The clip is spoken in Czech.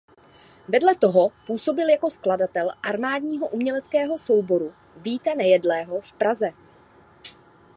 Vedle toho působil jako skladatel Armádního uměleckého souboru Víta Nejedlého v Praze.